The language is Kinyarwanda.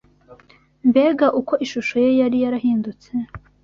Mbega uko ishusho ye yari yarahindutse!